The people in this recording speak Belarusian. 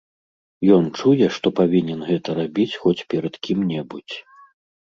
Ён чуе, што павінен гэта рабіць хоць перад кім-небудзь.